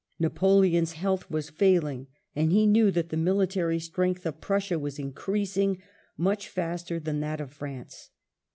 Napoleon's health was failing and he knew that the military strength of Prussia was increasing much faster than that of France.